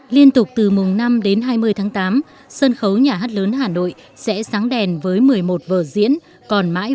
liên tục từ mùng năm đến hai mươi tháng tám sân khấu nhà hát lớn hà nội sẽ sáng đèn với một mươi một vở diễn còn mãi